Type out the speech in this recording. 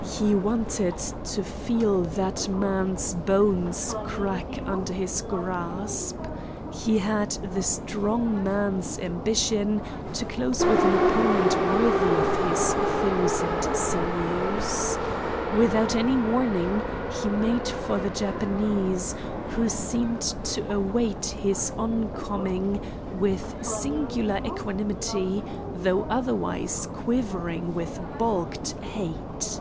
He wanted to feel that man's bones crack under his grasp. He had the strong man's ambition to close with an opponent worthy of his thews and sinews. Without any warning, he made for the Japanese, who seemed to await his oncoming with singular equanimity, though otherwise quivering with baulked hate.